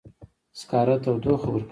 سکاره تودوخه ورکوي